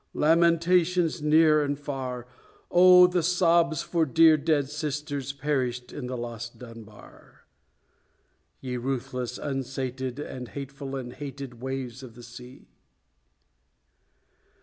lamentations near and far! Oh, the sobs for dear dead sisters perished in the lost Dunbar! Ye ruthless, unsated, And hateful, and hated Waves of the Sea!